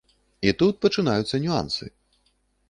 І тут пачынаюцца нюансы.